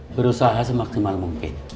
berusaha semaksimal mungkin